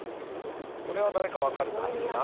これは誰かわかるかな？